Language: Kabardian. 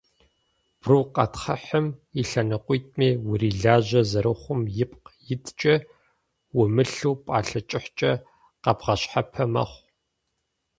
Брукъэтхъыхьым и лъэныкъуитӏми урилажьэ зэрыхъум ипкъ иткӏэ, умылъу пӏалъэ кӏыхькӏэ къэбгъэщхьэпэ мэхъу.